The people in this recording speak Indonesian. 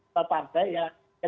soal partai ya